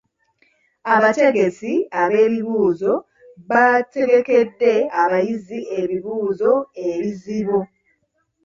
Abategesi b'ebibuuzo baategekedde abayizi ebibuuzo ebizibu.